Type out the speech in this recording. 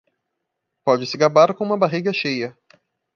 Pode se gabar com uma barriga cheia.